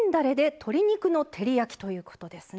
鶏肉の照り焼きということですね。